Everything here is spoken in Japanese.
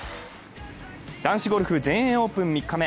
男子ゴルフ、全英オープン３日目。